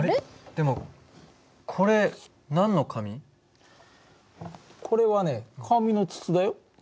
でもこれ何の紙？これはね紙の筒だよ。